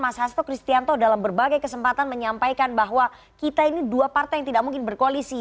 mas hasto kristianto dalam berbagai kesempatan menyampaikan bahwa kita ini dua partai yang tidak mungkin berkoalisi